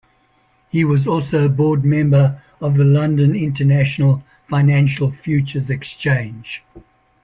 He was also a board member of the London International Financial Futures Exchange.